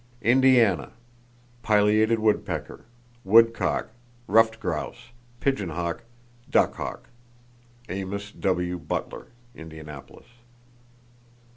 Indiana: Pileated woodpecker, woodcock, ruffed grouse, pigeon hawk, duck hawk.—(Amos W. Butler, Indianapolis.)